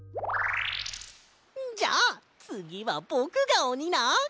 じゃあつぎはぼくがおにな！